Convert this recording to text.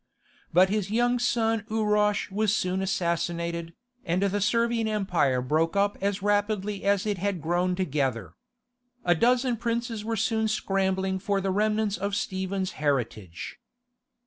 But his young son Urosh was soon assassinated, and the Servian Empire broke up as rapidly as it had grown together. A dozen princes were soon scrambling for the remnants of Stephen's heritage.